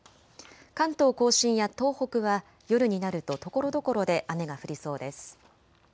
関東甲信や東北は夜になるとところどころで雨が降りそうです。